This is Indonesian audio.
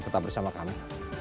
tetap bersama kami